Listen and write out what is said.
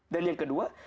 dan yang kedua